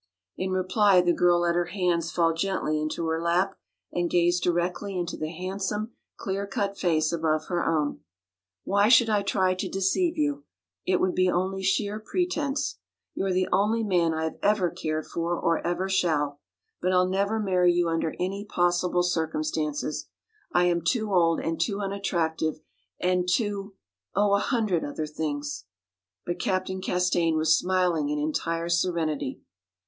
In reply the girl let her hands fall gently into her lap and gazed directly into the handsome, clear cut face above her own. "Why should I try to deceive you? It would be only sheer pretence. You are the only man I have ever cared for or ever shall. But I'll never marry you under any possible circumstances. I am too old and too unattractive and too oh, a hundred other things." But Captain Castaigne was smiling in entire serenity.